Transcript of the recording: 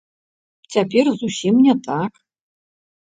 Цяпер зусім не так.